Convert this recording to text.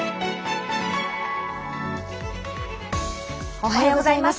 おはようございます。